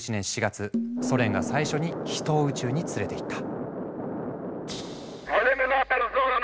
ソ連が最初に人を宇宙に連れていった。